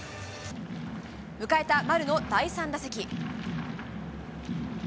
迎えた丸の第３打席。